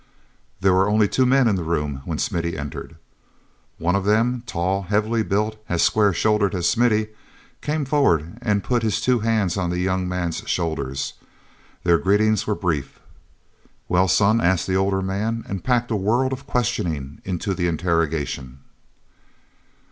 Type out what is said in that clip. There were only two men in the room when Smithy entered. One of them, tall, heavily built, as square shouldered as Smithy, came forward and put his two hands on the young man's shoulders. Their greetings were brief. "Well, son?" asked the older man, and packed a world of questioning into the interrogation.